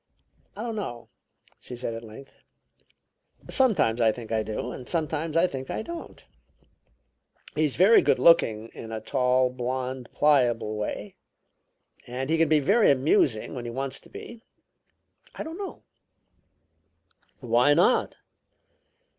"I don't know," she said at length. "Sometimes I think I do, and sometimes I think I don't. He's very good looking in a tall, blond, pliable way, and he can be very amusing when he wants to be. I don't know." "Why not?"